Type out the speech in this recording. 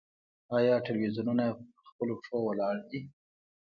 آیا تلویزیونونه په خپلو پښو ولاړ دي؟